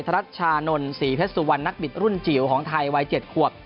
รัชชานนท์ศรีเพชรสุวรรณนักบิดรุ่นจิ๋วของไทยวัย๗ขวบ